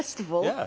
ああ。